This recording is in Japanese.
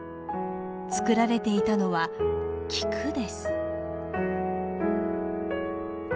作られていたのは菊です。